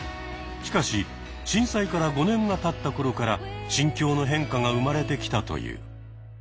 しかし震災から５年がたった頃から心境の変化が生まれてきたという。